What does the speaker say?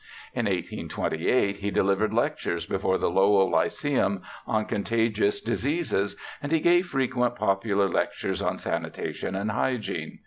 In 1828 he delivered lectures before the Lowell Lyceum on contagious diseases, and he gave frequent popular lectures on sanitation and hygiene.